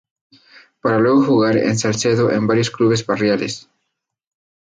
Para luego jugar en Salcedo en varios clubes barriales.